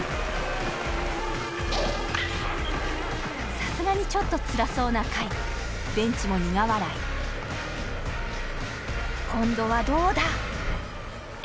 さすがにちょっとつらそうな甲斐ベンチも苦笑い今度はどうだ？